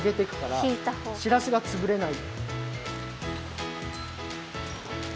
しらすがつぶれない。